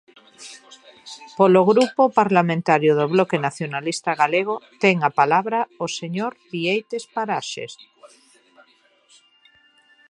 Polo Grupo Parlamentario do Bloque Nacionalista Galego, ten a palabra o señor Bieites Paraxes.